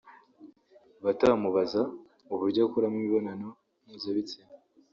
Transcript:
batamubaza uburyo akoramo imibonano mpuzabitsina